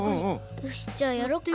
よしじゃやろっか。